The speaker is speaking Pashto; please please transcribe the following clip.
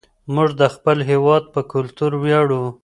موږ د خپل هېواد په کلتور ویاړو.